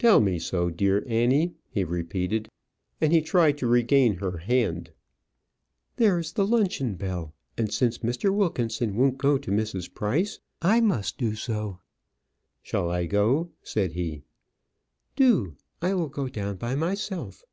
"Tell me so, dear Annie," he repeated; and he tried to regain her hand. "There is the luncheon bell; and since Mr. Wilkinson won't go to Mrs. Price, I must do so." "Shall I go?" said he. "Do; I will go down by myself."